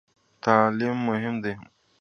تعلیم مهم دی؟